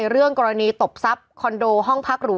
เรื่องกรณีตบทรัพย์คอนโดห้องพักหรู